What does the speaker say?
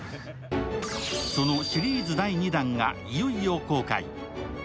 そのシリーズ第２弾が、いよいよ公開。